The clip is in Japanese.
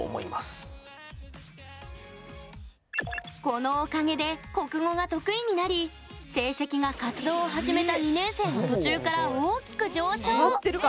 このおかげで国語が得意になり成績が活動を始めた２年生の途中から大きく上昇！